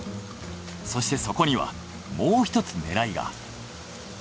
そしてそこにはもう１つ狙いが。